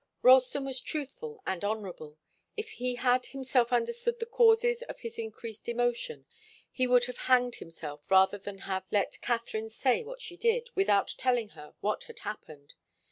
Ralston was truthful and honourable. If he had himself understood the causes of his increased emotion, he would have hanged himself rather than have let Katharine say what she did, without telling her what had happened.